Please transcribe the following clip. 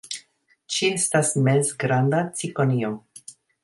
Ĝi estas mezgranda cikonio.